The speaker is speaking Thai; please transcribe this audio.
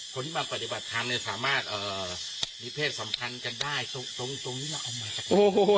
คนมาปฏิบัติธรรมเนี่ยสามารถเอ่อมีเพศสัมพันธ์กันได้ตรงนี้ละออกมา